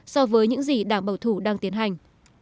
so với những gì đảng bảo thủ đang tiến hành